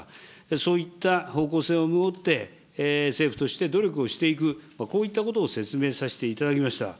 そういった方向性を持って、政府として努力をしていく、こういったことを説明させていただきました。